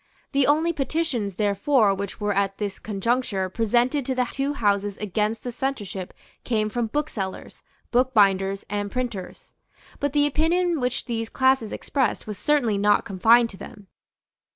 The only petitions therefore which were at this conjuncture presented to the two Houses against the censorship came from booksellers, bookbinders and printers. But the opinion which these classes expressed was certainly not confined to them.